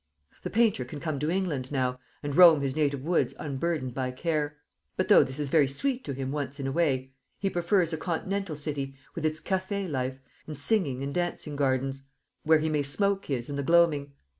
The painter can come to England now, and roam his native woods unburdened by care; but though this is very sweet to him once in a way, he prefers a Continental city, with its café life, and singing and dancing gardens, where he may smoke his cigar in the gloaming.